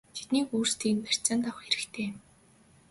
Тэднийг өөрсдийг нь барьцаанд авах хэрэгтэй!!!